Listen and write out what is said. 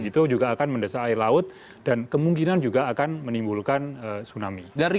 itu juga akan mendesak air laut dan kemungkinan juga akan menimbulkan tsunami